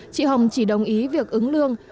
chị hồng chỉ đồng ý việc ứng lương